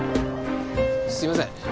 すみません。